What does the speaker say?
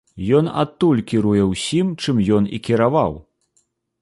Ён адтуль кіруе ўсім, чым ён і кіраваў!